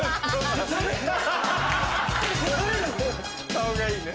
顔がいいね。